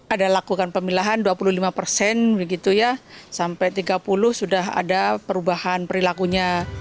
ada lakukan pemilahan dua puluh lima persen sampai tiga puluh sudah ada perubahan perilakunya